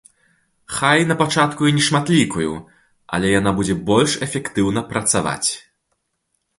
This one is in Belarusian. Хай напачатку і нешматлікую, але яна будзе больш эфектыўна працаваць.